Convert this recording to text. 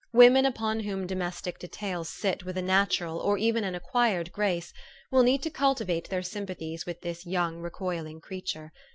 Women upon whom domestic details sit with a natural, or even an acquired grace, will need to cultivate their sympathies with this young recoiling creature.